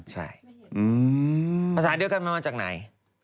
ใช่ภาษาเดียวกันมันมาจากไหน